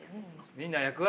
みんな役割。